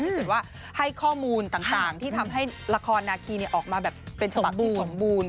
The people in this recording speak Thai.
ถ้าเกิดว่าให้ข้อมูลต่างที่ทำให้ละครนาคีออกมาแบบเป็นฉบับที่สมบูรณ์